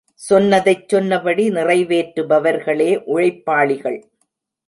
சொன்னதைச் சொன்னபடி நிறைவேற்று பவர்களே உழைப்பாளிகள்.